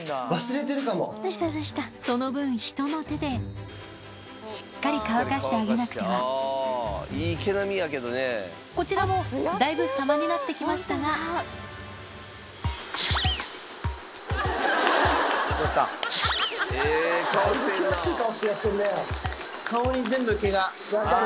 その分人の手でしっかり乾かしてあげなくてはこちらもだいぶ様になってきましたが分かる分かる。